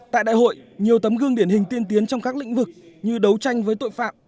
tại đại hội nhiều tấm gương điển hình tiên tiến trong các lĩnh vực như đấu tranh với tội phạm